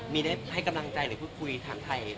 มีได้ให้กำลังใจหรือคุยทางไทย